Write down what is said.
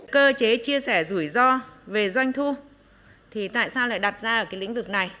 cơ chế chia sẻ rủi ro về doanh thu thì tại sao lại đặt ra ở cái lĩnh vực này